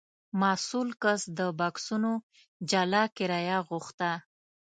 مسوول کس د بکسونو جلا کرایه غوښته.